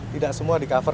tidak semua di cover